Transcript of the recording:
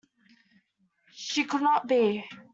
She could not be.